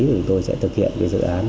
chúng tôi sẽ thực hiện cái dự án